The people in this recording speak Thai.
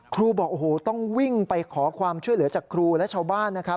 ครูบอกโอ้โหต้องวิ่งไปขอความช่วยเหลือจากครูและชาวบ้านนะครับ